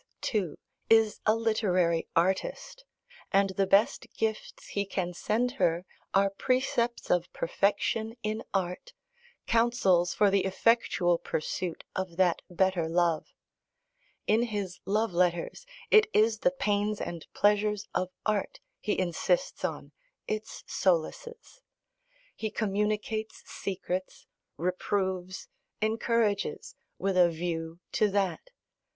too, is a literary artist, and the best gifts he can send her are precepts of perfection in art, counsels for the effectual pursuit of that better love. In his love letters it is the pains and pleasures of art he insists on, its solaces: he communicates secrets, reproves, encourages, with a view to that.